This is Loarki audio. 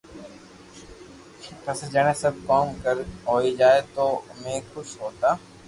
پسي جڻي سب ڪوم ھوئي جاتو تو امي خوݾ ھوتا